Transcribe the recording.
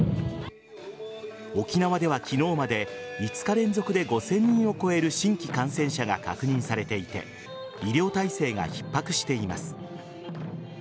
沖縄では昨日まで５日連続で５０００人を超える新規感染者が確認されていて医療体制がひっ迫しています。